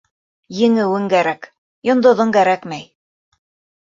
— Еңеүең кәрәк, йондоҙоң кәрәкмәй.